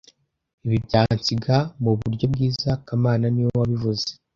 Ibi byansiga muburyo bwiza kamana niwe wabivuze